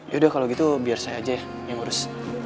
yaudah kalau gitu biar saya aja yang ngurus